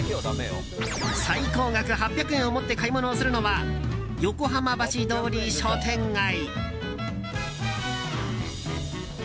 最高額８００円を持って買い物をするのは横浜橋通商店街。